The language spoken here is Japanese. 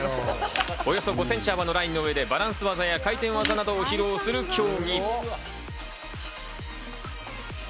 およそ５センチ幅のラインの上で鮮やかな回転技などを披露する競技。